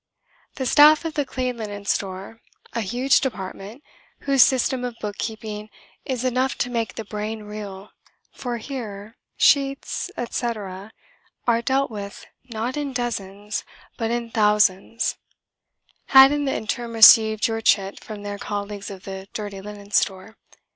The staff of the Clean Linen Store, a huge department whose system of book keeping is enough to make the brain reel (for here sheets, etc., are dealt with not in dozens but in thousands), had in the interim received your chit from their colleagues of the Dirty Linen Store.